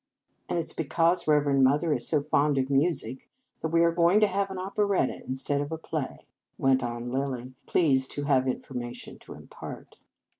" And it s because Reverend Mo ther is so fond of music that we are going to have an operetta instead of a play," went on Lilly, pleased to have information to impart.